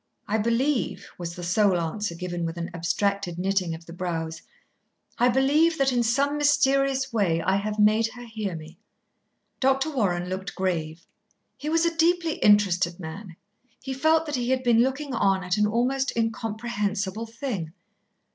"I believe," was the sole answer, given with an abstracted knitting of the brows, "I believe that in some mysterious way I have made her hear me." Dr. Warren looked grave. He was a deeply interested man. He felt that he had been looking on at an almost incomprehensible thing.